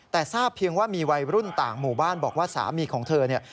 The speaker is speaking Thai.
แต่ทราบเพียงว่ามีวัยรุ่นต่างหมู่บ้านบอกว่าสามีของเธอเนี่ย